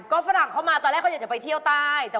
ก็ฝรั่งเข้ามาตอนแรกเขาอยากจะไปเที่ยวใต้